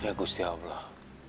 ya gusti allah